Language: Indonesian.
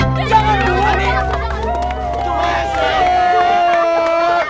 jangan berdua nih